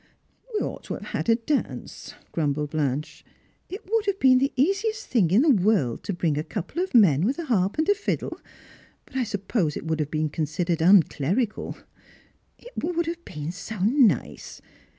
«' We ought to have had a dance," grumbled Blanche; "it would have been the easiest thing in the world to bring a couple of men with a harp and a fiddle, but I suppose it would have been considered unclerical. It would have been so nice.